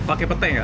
pakai petai gak